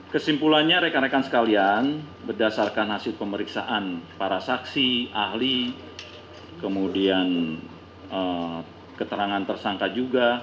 kesimpulannya rekan rekan sekalian berdasarkan hasil pemeriksaan para saksi ahli kemudian keterangan tersangka juga